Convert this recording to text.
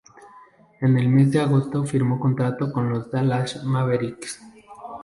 En el mes de agosto firmó contrato con los Dallas Mavericks.